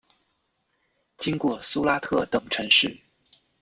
经过苏拉特等城市。